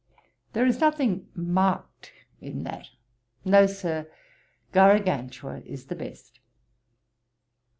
'There is nothing marked in that. No, Sir, Garagantua is the best.'